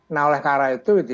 nah oleh karena itu